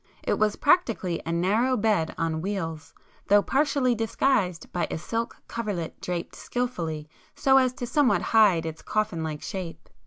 It was practically a narrow bed on wheels, though partially disguised by a silk coverlet draped skilfully so as to somewhat hide its coffin like shape.